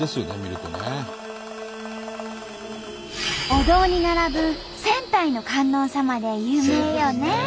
お堂に並ぶ千体の観音様で有名よね。